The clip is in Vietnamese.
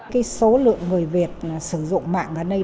cái số lượng người việt sử dụng mạng ở đây